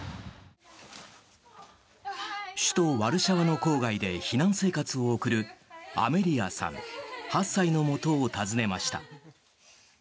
首都ワルシャワの郊外で避難生活を送るアメリアさん、８歳のもとを訪ねました。